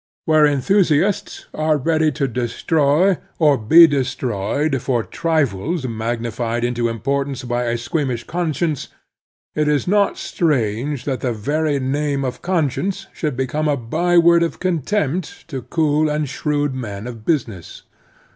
Where enthusiasts are 54 The Strenuous Life ready to destroy or be destroyed for trifles mag nified into importance by a squeamish conscience, it is not strange that the very name of conscience should become a byword of contempt to cool and shrewd men of business."